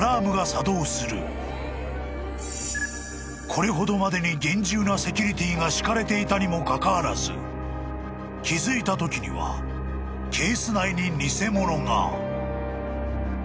［これほどまでに厳重なセキュリティーが敷かれていたにもかかわらず気付いたときにはケース内に偽物が］